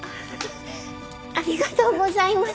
ありがとうございます。